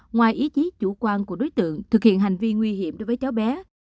ngoài ý chí chủ quan của đối tượng thực hiện hành vi nguy hiểm đối với cháu bé